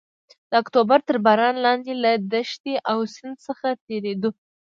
د اکتوبر تر باران لاندې له دښتې او سیند څخه تېرېدو.